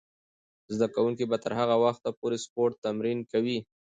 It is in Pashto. زده کوونکې به تر هغه وخته پورې د سپورت تمرین کوي.